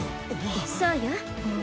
そうよ。